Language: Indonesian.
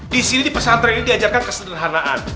di sini di pesantren ini diajarkan kesederhanaan